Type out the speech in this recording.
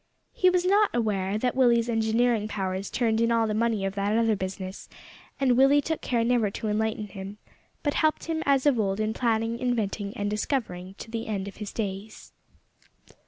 He was not aware that Willie's engineering powers turned in all the money of that other business, and Willie took care never to enlighten him, but helped him as of old in planning, inventing, and discovering, to the end of his days.